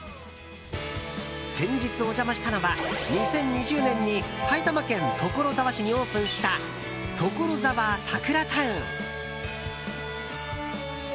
先日、お邪魔したのは２０２０年に埼玉県所沢市にオープンしたところざわサクラタウン。